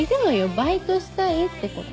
バイトしたいってこと。